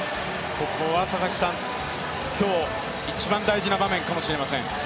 ここは今日一番大事な場面かもしれません。